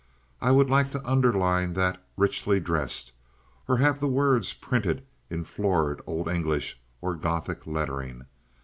I would like to underline that "richly dressed," or have the words printed in florid old English or Gothic lettering.